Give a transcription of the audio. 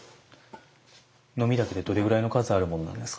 のみだけでどれぐらいの数あるものなんですか？